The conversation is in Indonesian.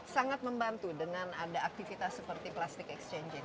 sangat membantu dengan ada aktivitas seperti plastic exchange ini